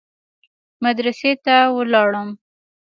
مدرسې ته ولاړم.